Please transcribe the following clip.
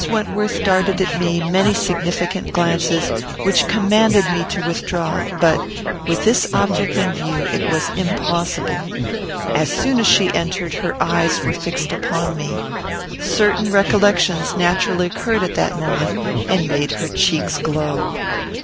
Wentworth darted at me many significant glances, which commanded me to withdraw; but, with this object in view, it was impossible. As soon as she entered, her eyes were fixed upon me. Certain recollections naturally occurred at that moment, and made her cheeks glow.